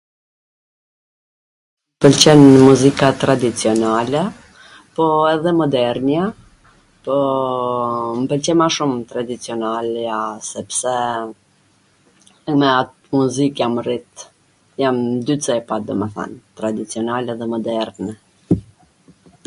M pwlqen muzika tradicionale, po edhe modernia, pooo m pwlqen ma shum tradicionalja sepse me at muzik jam rrit, jam n dy cepa domethan, tradicionale dhe moderne.